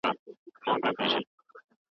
مغولو د منځني ختیځ هېوادونه ولیدل.